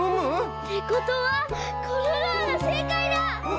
ってことはこのドアがせいかいだ！